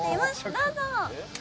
どうぞ。